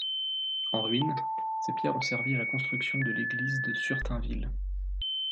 En ruines, ses pierres ont servi à la construction de l'église de Surtainville.